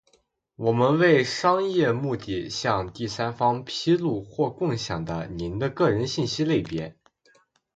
我们为商业目的向第三方披露或共享的您的个人信息类别；